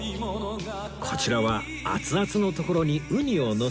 こちらは熱々のところにウニをのせて出来上がり